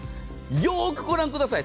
よくご覧ください